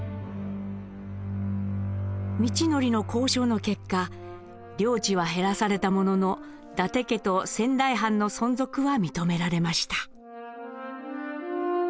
道徳の交渉の結果領地は減らされたものの伊達家と仙台藩の存続は認められました。